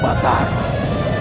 kau akan menang